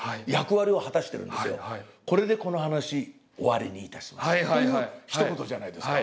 「これでこの噺終わりにいたします」というひと言じゃないですか。